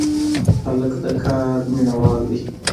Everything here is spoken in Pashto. هلک د کار مینه وال دی.